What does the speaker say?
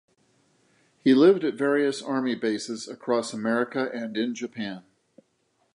He lived at various Army bases across America and in Japan.